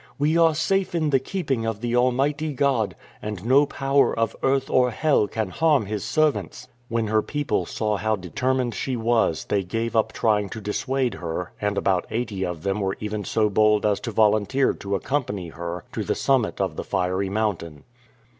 We are safe in the keeping of the Almighty God, and no power of earth or hell can harm His servants." When her people saw how determined she was they gave up trying to dissuade her, and about eighty of them were even so bold as to volunteer to accompany her to the summit of the fiery mountain.